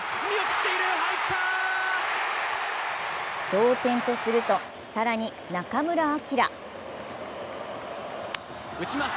同点とすると、更に中村晃。